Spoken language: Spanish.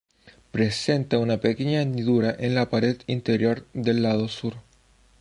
Presenta una pequeña hendidura en la pared interior del lado sur.